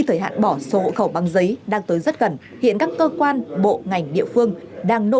thời hạn bỏ số hộ khẩu bằng giấy đang tới rất gần hiện các cơ quan bộ ngành địa phương đang nỗ